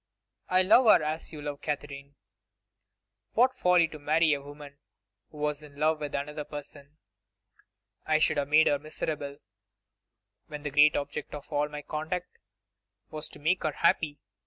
I love her as you love Katherine. What folly to marry a woman who was in love with another person! I should have made her miserable, when the great object of all my conduct was to make her happy.